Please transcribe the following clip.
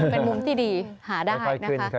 เป็นมุมที่ดีหาได้นะคะ